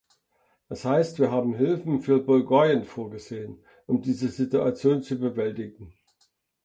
Das heißt, wir haben Hilfen für Bulgarien vorgesehen, um diese Situation zu bewältigen.